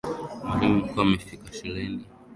Mwalimu mkuu amefika shuleni.